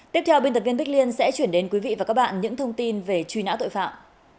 tiếp theo biên tập viên bích liên sẽ chuyển đến quý vị và các bạn những thông tin về truy nã tội phạm